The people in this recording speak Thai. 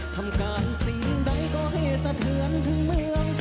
ทำการสิ่งใดก็ให้สะเทือนถึงเมือง